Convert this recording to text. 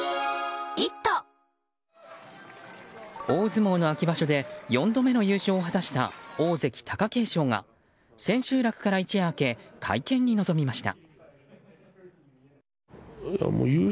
大相撲の秋場所で４度目の優勝を果たした大関・貴景勝が千秋楽から一夜明け、会見に臨みました。